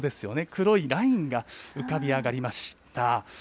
黒いラインが浮かび上がりました。